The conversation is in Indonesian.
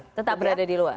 tetap berada di luar